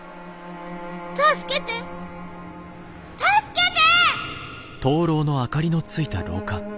助けて助けて！